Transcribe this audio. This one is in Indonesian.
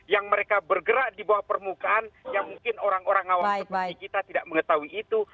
yang mereka bergerak di bawah permukaan yang mungkin orang orang awam seperti kita tidak mengetahui itu